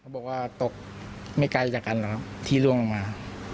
บอกว่าตกไม่ไกลจากกันนะครับที่ล่วงลงมา